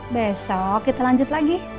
besok kita lanjut lagi